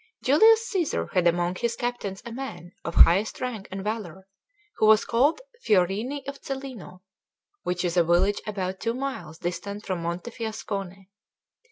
Julius Cæsar had among his captains a man of highest rank and valour, who was called Fiorino of Cellino, which is a village about two miles distant from Monte Fiascone.